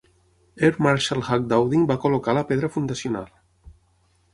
Air Marshal Hugh Dowding va col·locar la pedra fundacional.